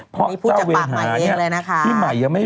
เหมือนพูดจากปากมัยเองเลยนะคะ